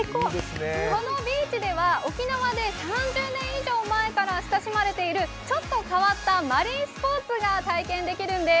このビーチでは沖縄で３０年以上前から親しまれているちょっと変わったマリンスポーツが体験できるんです。